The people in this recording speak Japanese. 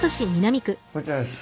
こちらです。